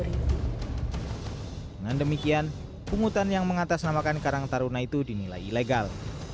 dengan demikian pungutan yang mengatasnamakan karang taruna itu dinilai ilegal